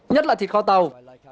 nhất là thịt kho tàu